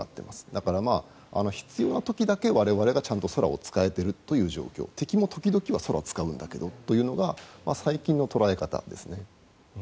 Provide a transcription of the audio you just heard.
だから、必要な時だけ我々が空を使えている状況敵も時々は空を使うんだけどというのが最近の捉え方ですね。